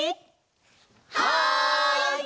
はい！